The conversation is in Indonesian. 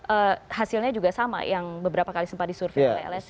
ee hasilnya juga sama yang beberapa kali sempat disurvey oleh lsi